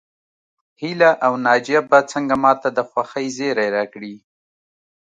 هيله او ناجيه به څنګه ماته د خوښۍ زيری راکړي